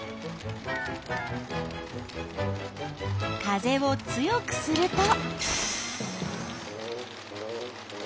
風を強くすると？